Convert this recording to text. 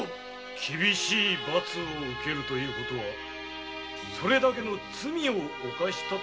厳しい罰を受けるのはそれだけの罪を犯したのだ。